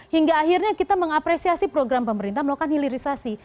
hingga akhirnya kita mengapresiasi program pemerintah melakukan hilirisasi